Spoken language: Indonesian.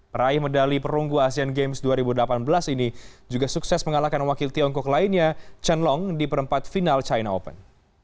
peraih medali perunggu asean games dua ribu delapan belas ini juga sukses mengalahkan wakil tiongkok lainnya chen long di perempat final china open